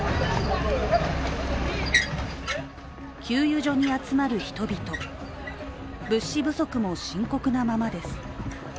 給油所に集まる人々、物資不足も深刻なままです。